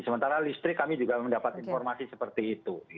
sementara listrik kami juga mendapat informasi seperti itu